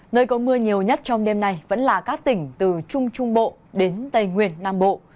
nơi có mưa nhiều nhất trong đêm nay vẫn là các tỉnh từ trung trung bộ đến tây nguyên nam bộ